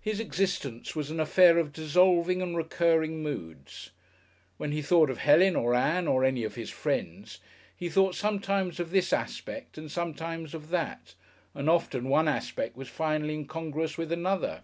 His existence was an affair of dissolving and recurring moods. When he thought of Helen or Ann or any of his friends, he thought sometimes of this aspect and sometimes of that and often one aspect was finally incongruous with another.